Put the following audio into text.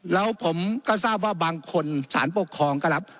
แล้วผมก็ทราบว่าบางคนสารปกครองก็รับ